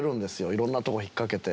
いろんなとこ引っ掛けて。